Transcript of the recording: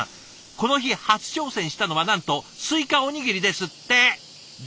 この日初挑戦したのはなんとスイカおにぎりですって斬新！